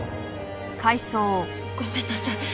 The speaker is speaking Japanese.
ごめんなさい。